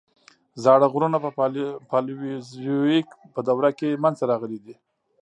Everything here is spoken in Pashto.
زاړه غرونه په پالیوزویک په دوره کې منځته راغلي دي.